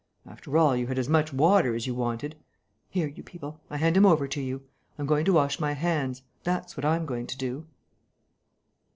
After all, you had as much water as you wanted!... Here, you people, I hand him over to you. I'm going to wash my hands, that's what I'm going to do."